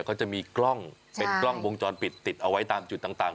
เขาจะมีกล้องเป็นกล้องวงจรปิดติดเอาไว้ตามจุดต่าง